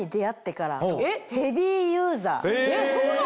えっそうなの？